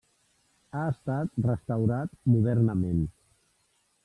Ha estat restaurat modernament.